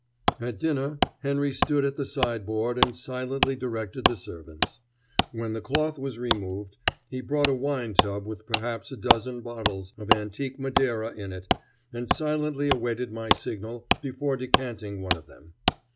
At dinner, Henry stood at the sideboard and silently directed the servants. When the cloth was removed, he brought a wine tub with perhaps a dozen bottles of antique Madeira in it and silently awaited my signal before decanting one of them.